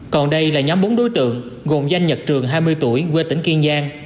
còn đây là nhóm bốn đối tượng gồm danh nhật trường hai mươi tuổi quê tỉnh kiên giang